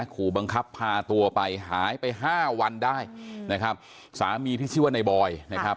ขู่บังคับพาตัวไปหายไปห้าวันได้นะครับสามีที่ชื่อว่าในบอยนะครับ